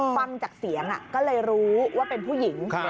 ฟังจากเสียงก็เลยรู้ว่าเป็นผู้หญิง